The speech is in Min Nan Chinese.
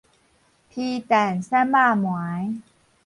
皮蛋瘦肉糜